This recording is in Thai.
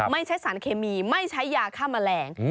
ไม่ใช้สารเคมีไม่ใช้ยาฆ่าแมลง